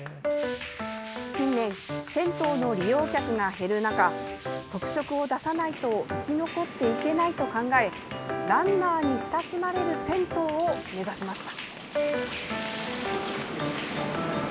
近年、銭湯の利用客が減る中特色を出さないと生き残っていけないと考えランナーに親しまれる銭湯を目指しました。